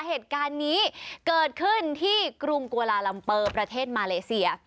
เหตุการณ์นี้เกิดขึ้นที่กรุงกวาลาลัมเปอร์ประเทศมาเลเซีย